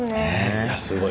いやすごい。